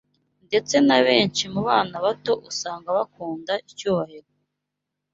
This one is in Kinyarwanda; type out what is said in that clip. Ndetse na benshi mu bana bato usanga bakunda icyubahiro